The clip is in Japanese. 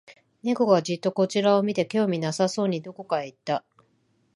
猫がじっとこちらを見て、興味なさそうにどこかへ行った